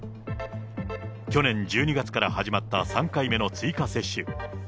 去年１２月から始まった３回目の追加接種。